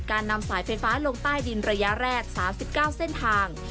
นำสายไฟฟ้าลงใต้ดินระยะแรก๓๙เส้นทาง